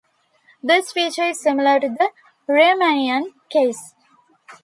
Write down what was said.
This feature is similar to the Riemannian case.